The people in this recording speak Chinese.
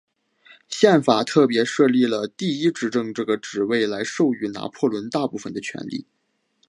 宪法特别设立了第一执政这个职位来授予拿破仑大部分的权力。